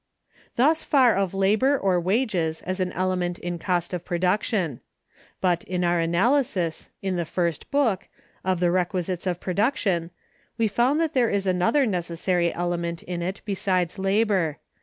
Thus far of labor or wages as an element in cost of production. But in our analysis, in the First Book, of the requisites of production, we found that there is another necessary element in it besides labor.